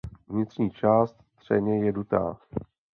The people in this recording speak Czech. Vnitřní část třeně je dutá.